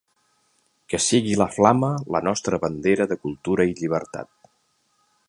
Que sigui la flama la nostra bandera de cultura i llibertat.